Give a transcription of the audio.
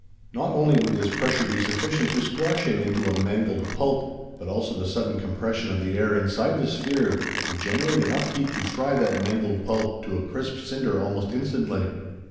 Not only would this pressure be sufficient to squash him into a mangled pulp, but also the sudden compression of the air inside the sphere would generate enough heat to fry that mangled pulp to a crisp cinder almost instantly.